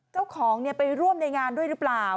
เจ้าของไปร่วมในงานด้วยหรือเปล่า